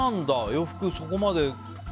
洋服にそこまで。